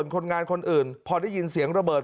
คนงานคนอื่นพอได้ยินเสียงระเบิด